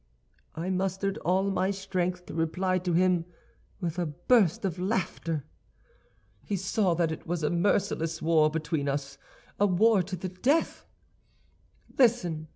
"I mustered all my strength to reply to him with a burst of laughter. "He saw that it was a merciless war between us—a war to the death. "'Listen!